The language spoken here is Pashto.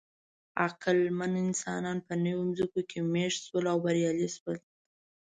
عقلمن انسانان په نوې ځمکو کې مېشت شول او بریالي شول.